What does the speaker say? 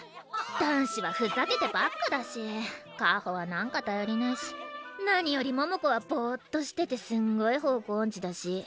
男子はふざけてばっかだし香穂は何かたよりないし何より桃子はぼっとしててすんごい方向おんちだし。